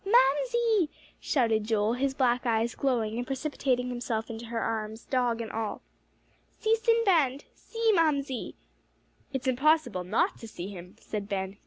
"Mamsie!" shouted Joel, his black eyes glowing, and precipitating himself into her arms, dog and all, "See Sinbad! See, Mamsie!" "It's impossible not to see him," said Ben.